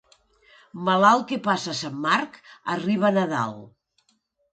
Malalt que passa Sant Marc, arriba a Nadal.